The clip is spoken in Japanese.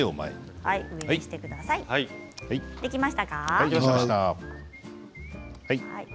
できましたか？